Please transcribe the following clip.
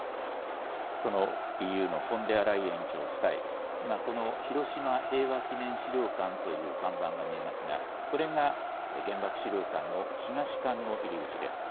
そのＥＵのフォンデアライエン委員長夫妻、今、この広島平和記念資料館という看板が見えますが、これが原爆資料館の東館に入り口です。